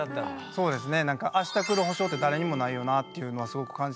そうですね。